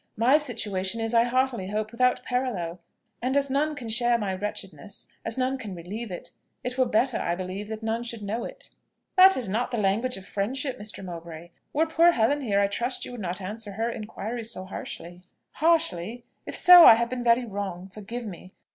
"My situation is, I heartily hope, without a parallel; and as none can share my wretchedness, as none can relieve it, it were better, I believe, that none should know it." "That is not the language of friendship, Mr. Mowbray. Were poor Helen here, I trust you would not answer her inquiries so harshly." "Harshly? If so, I have been very wrong. Forgive me.